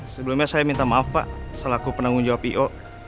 sebelumnya saya minta maaf pak selaku penanggung jawab io